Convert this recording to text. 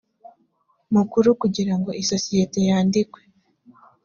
mukuru kugira ngo isosiyete yandikwe